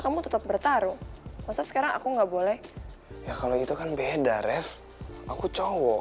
kamu tetap bertarung masa sekarang aku nggak boleh ya kalau itu kan beda ref aku cowok